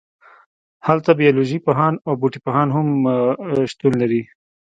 هلته بیالوژی پوهان او بوټي پوهان هم شتون لري